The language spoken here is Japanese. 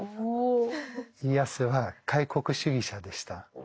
家康は開国主義者でした。